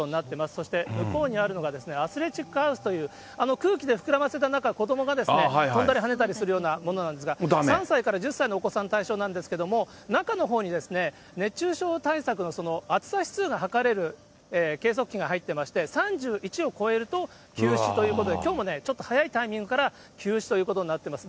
そして向こうにあるのがアスレチックハウスという、空気で膨らませた中、子どもが飛んだり跳ねたりするようなものなんですが、３歳から１０歳のお子さん対象なんですけど、中のほうに、熱中症対策の暑さ指数が測れる計測器が入ってまして、３１を超えると休止ということで、きょうもちょっと早いタイミングから休止ということになっています。